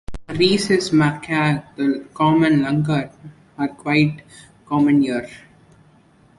The Rhesus macaque and the common langur are quite common here.